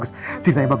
si buruk rupa